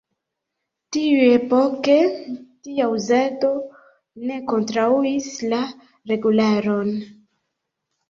Tiuepoke tia uzado ne kontraŭis la regularon.